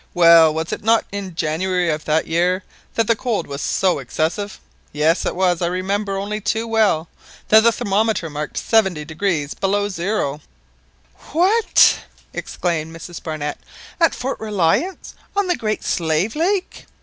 "Well, was it not in January of that year that the cold was so excessive?" "Yes it was, I remember only too well that the thermometer marked 70° below zero." "What!" exclaimed Mrs Barnett, "at Fort Reliance, on the Great Slave Lake?"